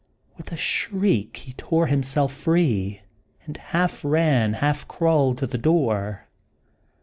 With a shriek he tore himself free, and half ran, half crawled, to the door.